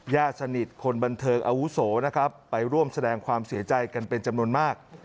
ญาติสนิทคนบันเทิงอาวุโสนะครับไปร่วมแสดงความเสียใจกันเป็นจำนวนมาก